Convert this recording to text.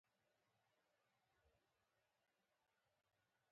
بدن خوب ته اړتیا لری